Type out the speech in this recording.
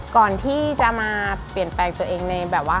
ก่อนที่จะมาเปลี่ยนแปลงตัวเองในแบบว่า